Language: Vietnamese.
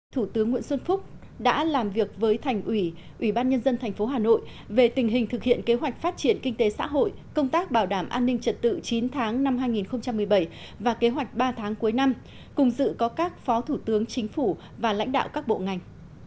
thủ tướng nguyễn xuân phúc đã làm việc với thành ủy ủy ban nhân dân tp hà nội về tình hình thực hiện kế hoạch phát triển kinh tế xã hội công tác bảo đảm an ninh trật tự chín tháng năm hai nghìn một mươi bảy và kế hoạch ba tháng cuối năm cùng dự có các phó thủ tướng chính phủ và lãnh đạo các bộ ngành